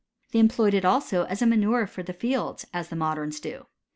They employed it also as a manure for the fields, as the modems do.